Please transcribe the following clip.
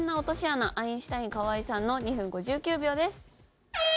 アインシュタイン河井さんの２分５９秒です。